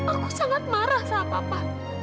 aku sangat marah sama papa